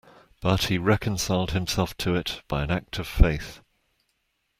But he reconciled himself to it by an act of faith.